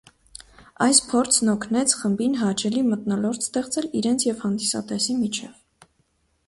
Այս փորձն օգնեց խմբին հաճելի մթնոլորտ ստեղծել իրենց և հանդիսատեսի միջև։